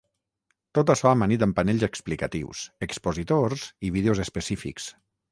Tot açò amanit amb panells explicatius, expositors i vídeos específics.